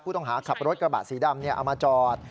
ต้องขับรถกระบะสีดำเอามาจอด